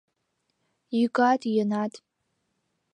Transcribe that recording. Йӱкат-йӧнат!